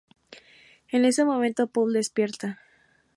En eso momento Paul despierta.